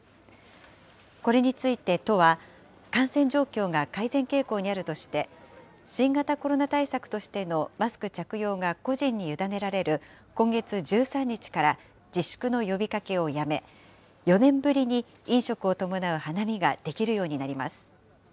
これについて都は、感染状況が改善傾向にあるとして、新型コロナ対策としてのマスク着用が個人に委ねられる今月１３日から、自粛の呼びかけをやめ、４年ぶりに飲食を伴う花見ができるようになります。